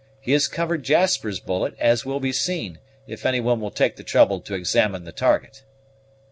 He has covered Jasper's bullet, as will be seen, if any one will take the trouble to examine the target."